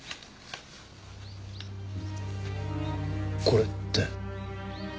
これって。